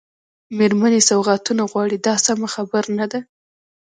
مېرمنې سوغاتونه غواړي دا سمه خبره نه ده.